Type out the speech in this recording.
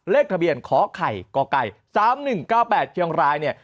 เลขทะเบียนขอไข่ก่อไก่สามหนึ่งเก้าแปดเชียงรายเนี่ย